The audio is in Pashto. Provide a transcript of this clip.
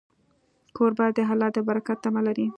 کوربه د الله د برکت تمه لري.